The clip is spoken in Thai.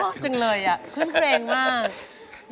ชอบจริงเลยอ่ะขึ้นเพลงมาก